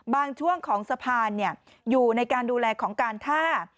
ช่วงของสะพานอยู่ในการดูแลของการท่า